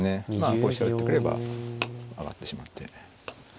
こう飛車打ってくれば上がってしまって。